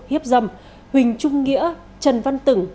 hiếp dâm huỳnh trung nghĩa trần văn tửng